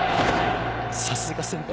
さすが先輩。